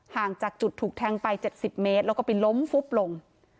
ห่างจากจุดถูกแทงไป๗๐เมตรแล้วก็ไปล้มฟุบลง